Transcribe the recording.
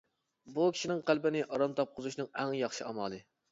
بۇ، كىشىنىڭ قەلبىنى ئارام تاپقۇزۇشنىڭ ئەڭ ياخشى ئامالى.